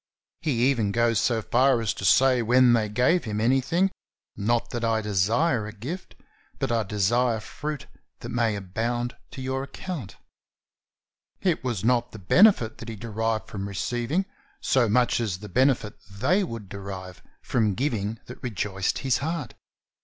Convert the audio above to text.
He even goes so far as to say when they gave him anything, "Not that I desire a gift, but I desire fruit that may abound FINANCE. 105 to your account." It was not the benefit that he derived from receiving, so much as the benefit they would derive from giving that rejoiced his heart.